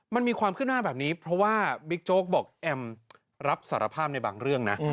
มันมีความขึ้นหน้าแบบนี้เพราะว่าบิ๊กโจ๊กบอกแอมรับสารภาพในบางเรื่องนะ